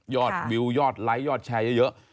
วิวยอดไลค์ยอดแชร์เยอะ